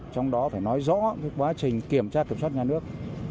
trong đó phải nói rõ quá trình kiểm tra kiểm soát nhà nước